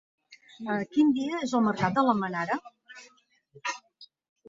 Quin dia és el mercat d'Almenara?